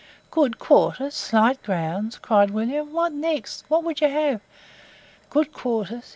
"Good quarters! slight grounds!" cried William; "what next? what would you have? Good quarters!